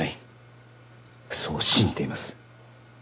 そう信じています。